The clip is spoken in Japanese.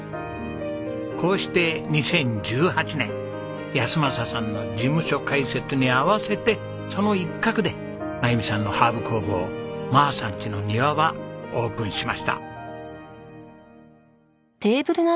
こうして２０１８年安正さんの事務所開設に合わせてその一角で真由美さんのハーブ工房まーさんちの庭はオープンしました。